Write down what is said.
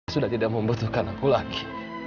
sudah tidak membutuhkan aku lagi